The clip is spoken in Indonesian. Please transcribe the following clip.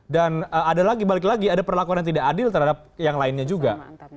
dan ada lagi balik lagi ada perlakuan yang tidak adil terhadap yang lainnya juga